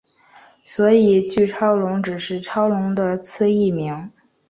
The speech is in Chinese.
所以巨超龙只是超龙的次异名。